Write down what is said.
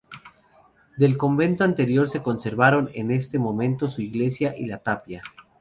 Del convento anterior se conservaron en su momento la iglesia y la tapia.